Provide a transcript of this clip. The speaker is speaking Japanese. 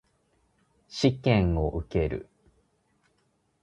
試験を受ける。